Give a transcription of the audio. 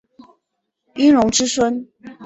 殷融之孙。